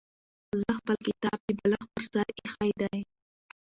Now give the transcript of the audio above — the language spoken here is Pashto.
زه خپل کتاب د بالښت پر سر ایښی دی.